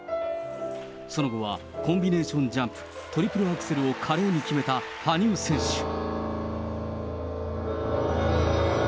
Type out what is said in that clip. その後はコンビネーションジャンプ、トリプルアクセルを華麗に決めた羽生選手。